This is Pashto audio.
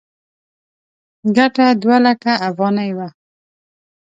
ګټه دوه لکه افغانۍ وه.